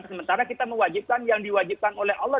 sementara kita mewajibkan yang diwajibkan oleh allah